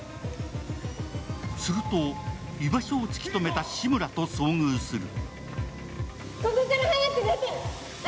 すると居場所を突き止めた志村と遭遇する。